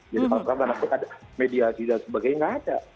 jadi pasal pasal media tidak sebagainya tidak ada